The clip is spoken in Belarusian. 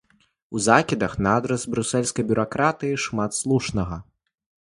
У закідах на адрас брусэльскай бюракратыі шмат слушнага.